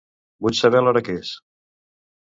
Vull saber l'hora que és.